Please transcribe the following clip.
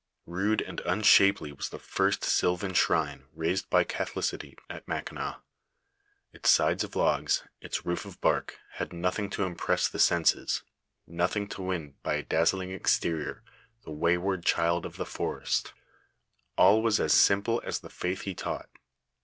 Bude and unshapely was the first sylvan shrine raised by catholicity at Mackinaw; its sides of logs, ita roof of bark had nothing to impress the senses, nothing to win by a dazzling exterior the wayward child of the forest; all was as simple as the faith he taught.